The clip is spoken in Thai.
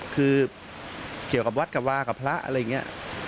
คือเกี่ยวกับวัดกับวากับพระอะไรอย่างนี้